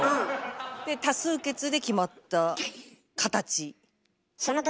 で多数決で決まった形。